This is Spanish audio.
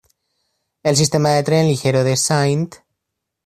El sistema de tren ligero de St.